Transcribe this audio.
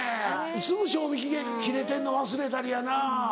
すぐ賞味期限切れてんの忘れたりやな。